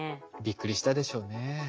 びっくりしたでしょうね。